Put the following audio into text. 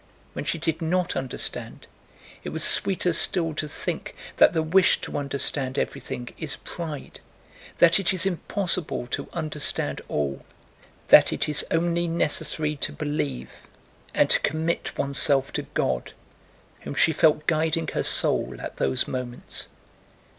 When she did not understand, it was sweeter still to think that the wish to understand everything is pride, that it is impossible to understand all, that it is only necessary to believe and to commit oneself to God, whom she felt guiding her soul at those moments.